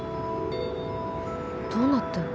どうなってんの？